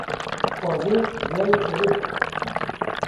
Qazê giyayê çolê xwar